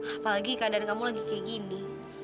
apalagi keadaan kamu lagi kayak gini